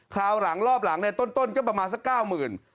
ข้าวหลังรอบหลังต้นประมาณสัก๙หมื่น